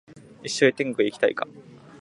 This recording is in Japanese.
一緒に天国へ行きたいか？